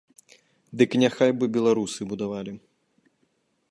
Дык няхай бы беларусы будавалі!